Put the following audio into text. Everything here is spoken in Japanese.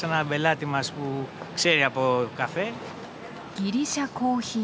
ギリシャコーヒー。